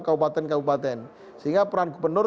kabupaten kabupaten sehingga peran gubernur